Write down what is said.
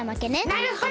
なるほど。